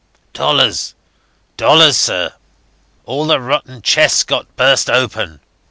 "Dollars! Dollars, sir. All their rotten chests got burst open.